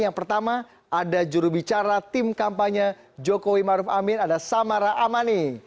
yang pertama ada jurubicara tim kampanye jokowi maruf amin ada samara amani